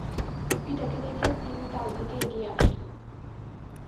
পিতাকে দেখে তিনি তার দিকে এগিয়ে আসলেন।